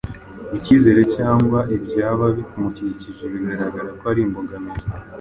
icyizere cyangwa ibyaba bimukikije bigaragara ko ari imbogamizi.